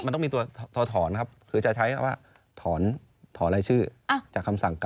มันต้องมีตัวถอดถอนนะครับคือจะใช้ว่าถอนรายชื่อจากคำสั่ง๙